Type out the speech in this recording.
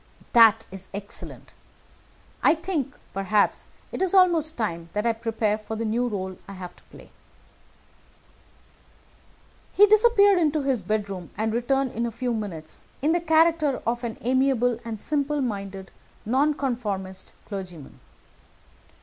"That is excellent. I think, perhaps, it is almost time that I prepared for the new rôle I have to play." He disappeared into his bedroom, and returned in a few minutes in the character of an amiable and simple minded Nonconformist clergyman.